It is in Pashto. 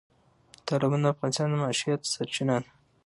تالابونه د افغانانو د معیشت سرچینه ده.